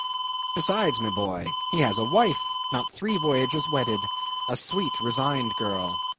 Besides, my boy, he has a wife—not three voyages wedded—a sweet, resigned girl.